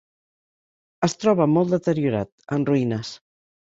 Es troba molt deteriorat, en ruïnes.